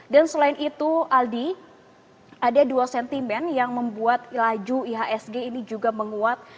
dan selain itu aldi ada dua sentimen yang membuat laju ihsg ini juga menguat